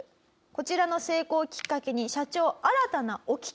こちらの成功をきっかけに掟。